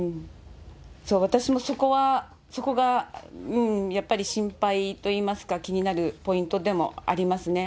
私もそこがやっぱり心配といいますか、気になるポイントでもありますね。